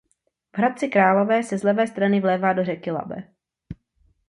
V Hradci Králové se z levé strany vlévá do řeky Labe.